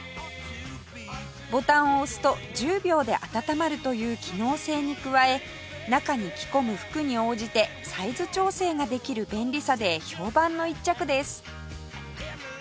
ボタンを押すと１０秒で温まるという機能性に加え中に着込む服に応じてサイズ調整ができる便利さで評判の一着です